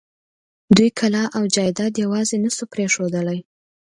دوی کلا او جايداد يواځې نه شوی پرېښودلای.